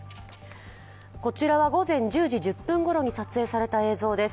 こちらは午前１０時１０分ごろに撮影された映像です。